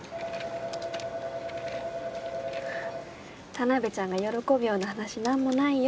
田辺ちゃんが喜ぶような話何もないよ。